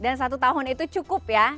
dan satu tahun itu cukup ya